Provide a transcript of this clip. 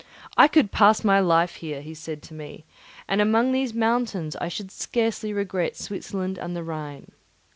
"I could pass my life here," said he to me; "and among these mountains I should scarcely regret Switzerland and the Rhine."